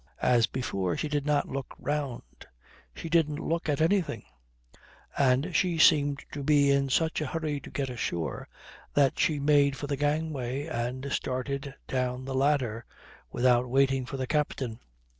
As before she did not look round. She didn't look at anything; and she seemed to be in such a hurry to get ashore that she made for the gangway and started down the ladder without waiting for the captain.